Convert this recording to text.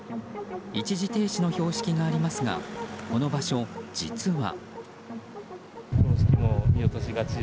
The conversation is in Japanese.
一時停止の標識がありますがこの場所、実は。